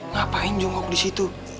ngapain jongkok disitu